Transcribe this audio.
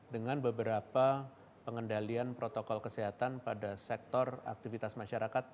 dengan beberapa pengendalian protokol kesehatan pada sektor aktivitas masyarakat